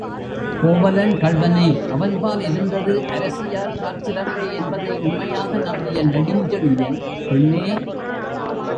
கோவலன் கள்வனே அவன்பால் இருந்தது, அரசியார் காற்சிலம்பே என்பதை உண்மையாக நம்பிய நெடுஞ்செழியன், பெண்ணே!